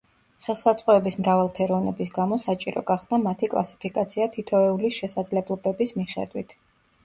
ხელსაწყოების მრავალფეროვნების გამო საჭირო გახდა მათი კლასიფიკაცია თითოეულის შესაძლებლობების მიხედვით.